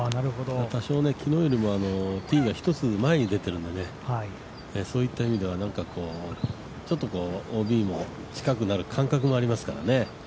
多少ね、昨日よりもティーが１つ前に出てるのでそういった意味では、ＯＢも近くなる感覚がありますからね。